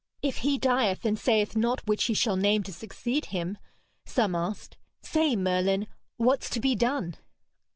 'If he dieth and sayeth not which he shall name to succeed him,' some asked, 'say, Merlin, what's to be done?'